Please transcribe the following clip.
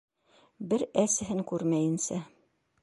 Бер әсеһен күрмәйенсә